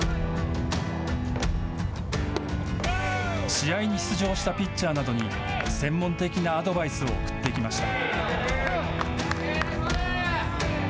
試合に出場したピッチャーなどに専門的なアドバイスを送ってきました。